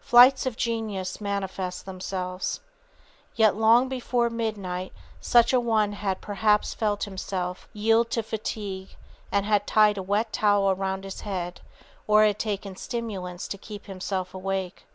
Flights of genius manifest themselves. Yet long before midnight such a one had perhaps felt himself yield to fatigue and had tied a wet towel around his head or had taken stimulants to keep himself awake.